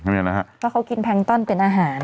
เพราะเขากินแพงต้อนเป็นอาหาร